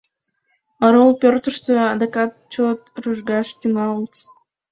Орол пӧртыштӧ адакат чот рӱжгаш тӱҥалыт.